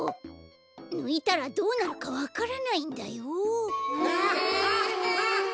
ぬいたらどうなるかわからないんだよ！？